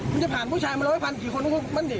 มันจะผ่านผู้ชายมาร้อยพันกี่คนก็มั่นดิ